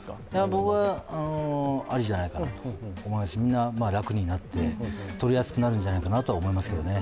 僕はありじゃないかなと思いますし、みんな楽になって、取りやすくなるんじゃないかなと思いますけどね。